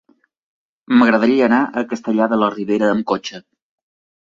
M'agradaria anar a Castellar de la Ribera amb cotxe.